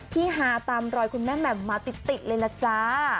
ฮาตามรอยคุณแม่แหม่มมาติดเลยล่ะจ้า